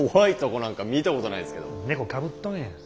猫かぶっとんや。